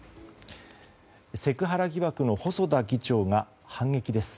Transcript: セクハラ疑惑の細田議長が反撃です。